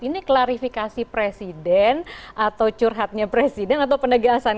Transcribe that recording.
ini klarifikasi presiden atau curhatnya presiden atau penegasan